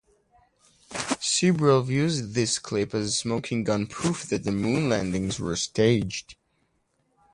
Sibrel views this clip as "smoking gun" proof that the Moon landings were staged.